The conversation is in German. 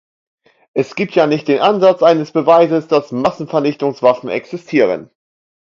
Es gibt ja nicht den Ansatz eines Beweises, dass Massenvernichtungswaffen existieren.